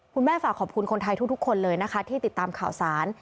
ฝากขอบคุณคนไทยทุกคนเลยนะคะที่ติดตามข่าวสาร